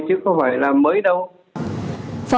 chứ không phải là mới đâu